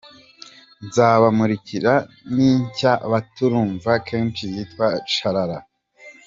Nzabamurikira n’inshya batarumva kenshi yitwa ‘Chalala’.